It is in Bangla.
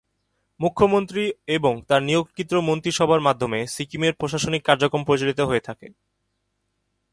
মুখ্যমন্ত্রী এবং তার নিয়োগকৃত মন্ত্রিসভার মাধ্যমে সিকিমের প্রশাসনিক কার্যক্রম পরিচালিত হয়ে থাকে।